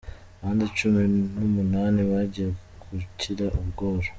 Abandi cumi nu munani bagiye gukira ubworo